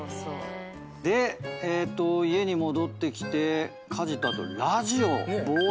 で家に戻ってきて家事とあとラジオぼーっとする。